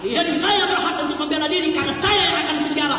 jadi saya berhak untuk membela diri karena saya yang akan berjalan